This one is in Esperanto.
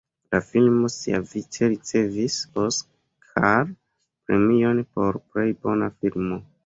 La filmo siavice ricevis Oskar-premion por plej bona filmo.